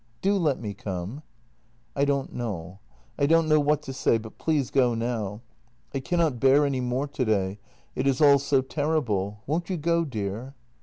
Do let me come." " I don't know — I don't know what to say, but please go now. I cannot bear any more today — it is all so terrible. Won't you go, dear?